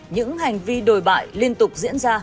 những hành vi đồi bại liên tục diễn ra